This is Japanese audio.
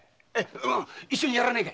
一緒にやらねえか。